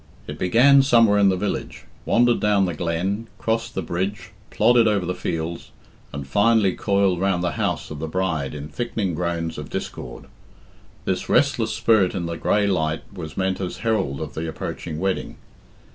It began somewhere in the village, wandered down the glen, crossed the bridge, plodded over the fields, and finally coiled round the house of the bride in thickening groans of discord. This restless spirit in the grey light was meant as herald of the approaching wedding.